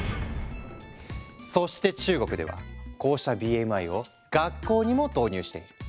そして中国ではこうしたＢＭＩを学校にも導入している。